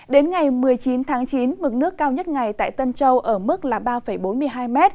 đến ngày một mươi chín tháng chín mực nước cao nhất ngày tại tân châu ở mức ba bốn mươi hai m